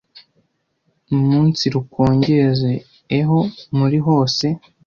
umunsirukongeze eho muri hose